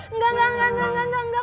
enggak enggak enggak enggak enggak enggak